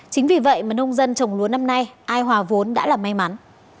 chính vì vậy mà nông dân trồng lúa năm nay ai hòa vốn đã là may mắn